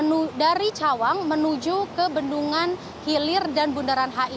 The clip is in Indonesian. ini merupakan jalur dari cawang menuju ke bendungan hilir dan bundaran hi